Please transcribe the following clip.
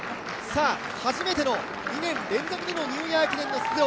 初めての２年連続でのニューイヤー駅伝出場。